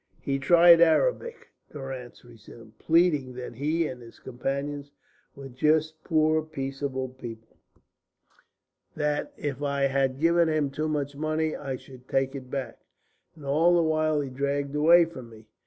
"He tried Arabic," Durrance resumed, "pleading that he and his companions were just poor peaceable people, that if I had given him too much money, I should take it back, and all the while he dragged away from me.